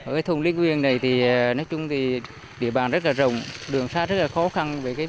ở thôn lính nguyên này địa bàn rất là rộng đường xa rất là khó khăn